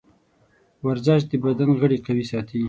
ورزش د بدن غړي قوي ساتي.